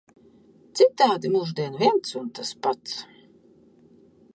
Citādi mūždien viens un tas pats.